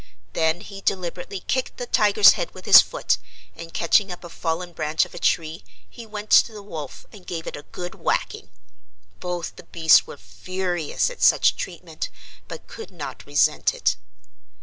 Then he deliberately kicked the tiger's head with his foot and catching up a fallen branch of a tree he went to the wolf and gave it a good whacking. Both the beasts were furious at such treatment but could not resent it.